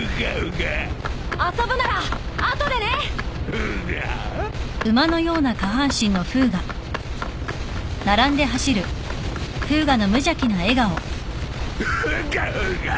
フガフガ！